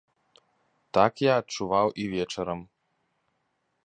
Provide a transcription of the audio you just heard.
Так я адчуваў і вечарам.